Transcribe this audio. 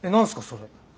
それ。